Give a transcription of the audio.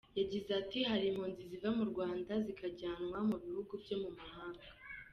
Yagize ati “Hari impunzi ziva mu Rwanda zikajyanwa mu bihugu byo mu mahanga.